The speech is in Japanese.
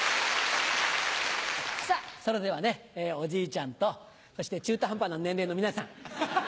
さぁそれではおじいちゃんとそして中途半端な年齢の皆さん。